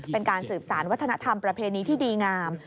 เป็นการสืบสารวัฒนธรรมประเพณีที่ดีงาม